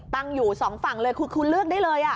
ตั้งอยู่สองฝั่งเลยคือคุณเลือกได้เลย